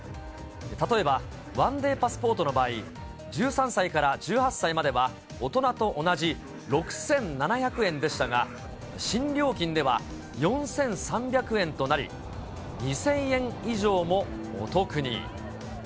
例えば１ＤＡＹパスポートの場合、１３歳から１８歳までは大人と同じ６７００円でしたが、新料金では４３００円となり、２０００円以上もお得に。